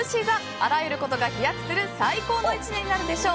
あらゆることが飛躍する最高の１年になるでしょう。